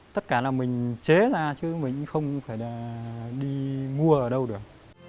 tất cả là mình chế ra chứ mình không phải là đi mua ở đâu được